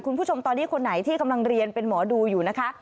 คุณผู้ชมตอนนี้คนไหนที่กำลังเรียนเป็นหมอดูอยู่นะคะ